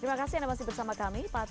terima kasih anda masih bersama kami